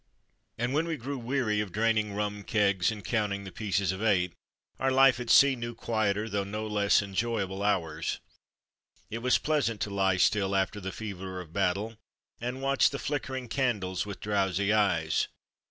And when we grew weary of draining rum kegs and counting the pieces of eight, our life at sea knew quieter though no less enjoy able hours. It was pleasant to lie still after the fever o,f battle and watch the flickering candles with drowsy eyes.